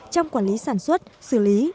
trong quản lý sản xuất xử lý